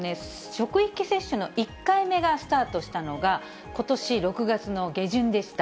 職域接種の１回目がスタートしたのが、ことし６月の下旬でした。